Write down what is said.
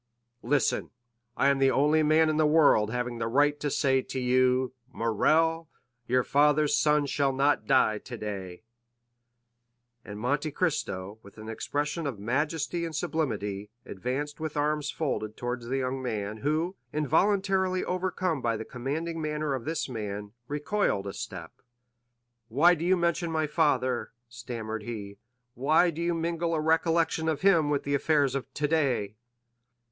"Listen; I am the only man in the world having the right to say to you, 'Morrel, your father's son shall not die today;'" and Monte Cristo, with an expression of majesty and sublimity, advanced with arms folded toward the young man, who, involuntarily overcome by the commanding manner of this man, recoiled a step. "Why do you mention my father?" stammered he; "why do you mingle a recollection of him with the affairs of today?"